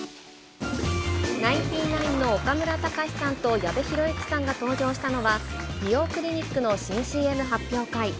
ナインティナインの岡村隆史さんと矢部浩之さんが登場したのは、美容クリニックの新ＣＭ発表会。